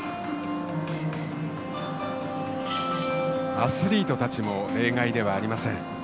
アスリートたちも例外ではありません。